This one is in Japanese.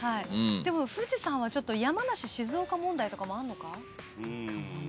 でも富士山は山梨静岡問題とかもあんのか？